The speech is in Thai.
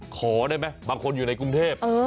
ขอได้ไหมบางคนอยู่ในกรุงเทพ